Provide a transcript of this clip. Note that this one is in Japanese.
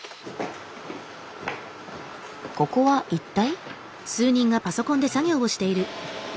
ここは一体。